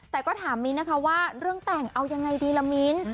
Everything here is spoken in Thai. แต่ก็ถามมิ้นนะคะว่าเรื่องแต่งเอายังไงดีละมิ้น